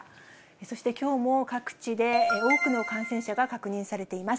そしてきょうも各地で多くの感染者が確認されています。